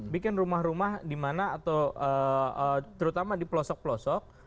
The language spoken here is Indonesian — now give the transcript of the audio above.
bikin rumah rumah di mana atau terutama di pelosok pelosok